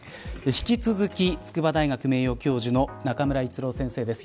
引き続き筑波大学名誉教授の中村逸郎先生です。